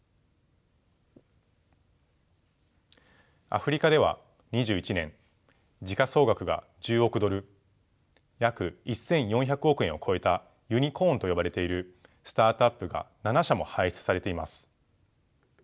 アフリカでは２１年時価総額が１０億ドル約１，４００億円を超えたユニコーンと呼ばれているスタートアップが７社も輩出されています。